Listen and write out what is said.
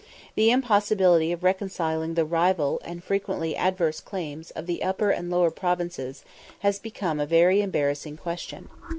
The impossibility of reconciling the rival, and frequently adverse claims, of the Upper and Lower Provinces, has become a very embarrassing question.